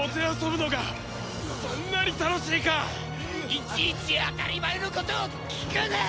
いちいち当たり前のことを聞くな！